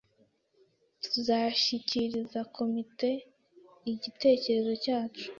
Tuzashyikiriza komite igitekerezo cyacu